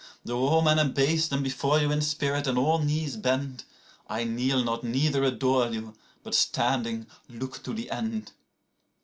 45Though all men abase them before you in spirit, and all knees bend,46I kneel not neither adore you, but standing, look to the end.